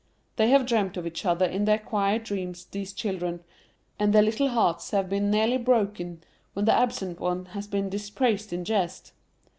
They have dreamt of each other in their quiet dreams, these children, and their little hearts have been nearly broken when the absent one has been dispraised in jest.